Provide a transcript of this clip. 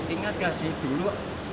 ingat gak sih dulu